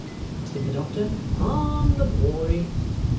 said the doctor. 'I'm the boy!